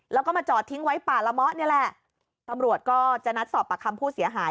แล้วก็มาจอดทิ้งไว้ป่าละเมาะนี่แหละตำรวจก็จะนัดสอบปากคำผู้เสียหาย